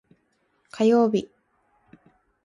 火曜日